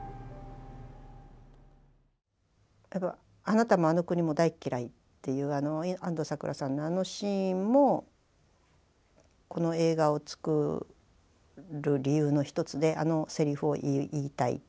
「あなたもあの国も大っ嫌い！」っていう安藤サクラさんのあのシーンもこの映画を作る理由の一つであのセリフを言いたいっていう。